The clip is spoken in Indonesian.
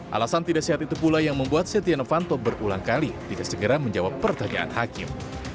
alasan tidak sehat itu pula yang membuat setia novanto berulang kali tidak segera menjawab pertanyaan hakim